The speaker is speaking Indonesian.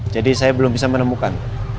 jadi saya belum bisa menemukan